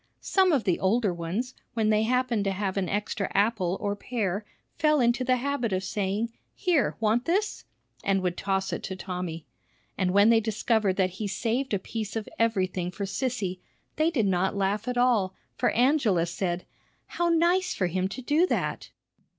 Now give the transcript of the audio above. Some of the older ones, when they happened to have an extra apple or pear, fell into the habit of saying, "Here, want this?" and would toss it to Tommy. And when they discovered that he saved a piece of everything for Sissy, they did not laugh at all, for Angela said, "How nice for him to do that!"